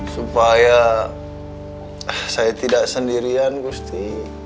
supaya saya tidak sendirian gusti